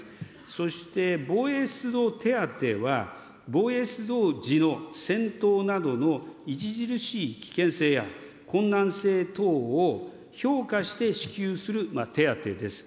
そして防衛出動手当は、防衛出動時の戦闘などの著しい危険性や困難性等を評価して支給する手当です。